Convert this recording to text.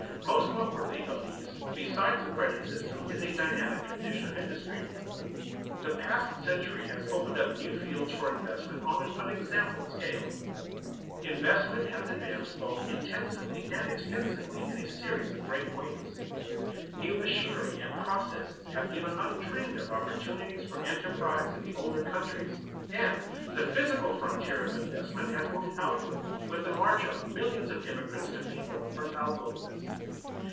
Most noteworthy of these besides the credit system is a dynamic condition of industry. The past century has opened up new fields for investment on an unexampled scale. Investment has advanced both intensively and extensively in a series of great waves. New machinery and processes have given undreamed of opportunities for enterprise in the older countries, and the physical frontier of investment has moved outward with the march of millions of immigrants to people the fertile wilderness.